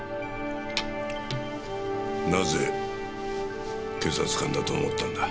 なぜ警察官だと思ったんだ？